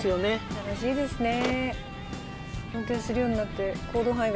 楽しいですねあっ